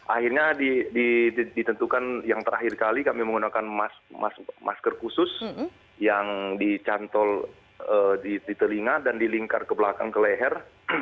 akhirnya ditentukan yang terakhir kali kami menggunakan masker khusus yang dicantol di telinga dan dilingkar ke belakang ke leher